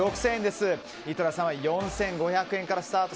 井戸田さんは４５００円からスタート。